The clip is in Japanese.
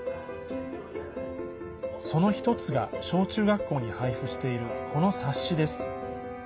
その一つが、小中学校に配布しているこの冊子です。